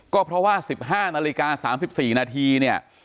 ก็เพราะว่า๑๕นาฬิกา๓๔นาทีเนี่ย